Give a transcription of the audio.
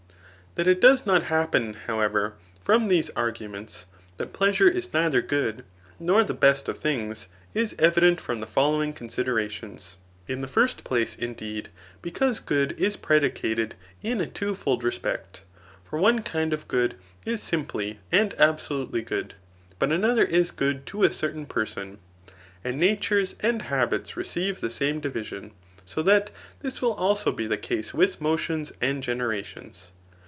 That it does not happen, however, from these argu ments that pleasure is neither good, nor the best of things, is evident from the following considerations:: — ^In tfic first place, indeed, because good is predicated in a two fold respect ; for one kind of good is simply and abso lutely good, but another is good to a certain person. And natures and habits receive the same division ; so that this will also be the case with motions and generations.